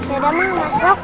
yaudah ma masuk